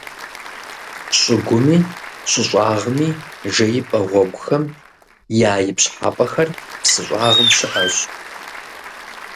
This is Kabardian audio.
ЩӀыгуми, щӀы щӀагъми жеипӀэ гъуэгухэм я ипщхьэпӀэхэр псы щӀагъым щыӀэщ.